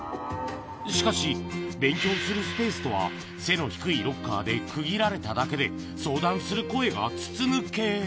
しかし、勉強するスペースとは背の低いロッカーで区切られただけで、相談する声が筒抜け。